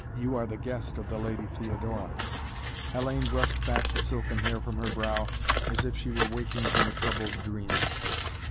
"You are the guest of the Lady Theodora." Hellayne brushed back the silken hair from her brow as if she were waking from a troubled dream.